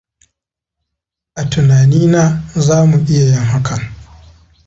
A tunanina za mu iya yin hakan.